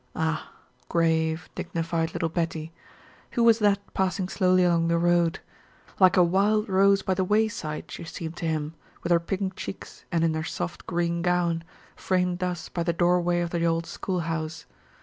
Ah, grave, dignified little Betty! Who was that passing slowly along the road? Like a wild rose by the wayside she seemed to him, with her pink cheeks and in her soft green gown, framed thus by the doorway of the old schoolhouse.